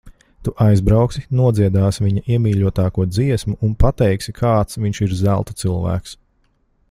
Tu aizbrauksi, nodziedāsi viņa iemīļotāko dziesmu un pateiksi, kāds viņš ir zelta cilvēks.